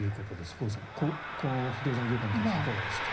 興梠さん、不動産業界に関していかがですか。